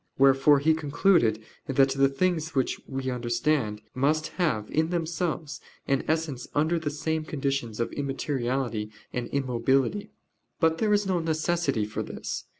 Wherefore he concluded that the things which we understand must have in themselves an existence under the same conditions of immateriality and immobility. But there is no necessity for this.